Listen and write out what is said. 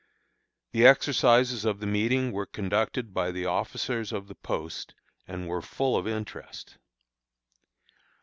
The exercises of the meeting were conducted by the officers of the post, and were full of interest.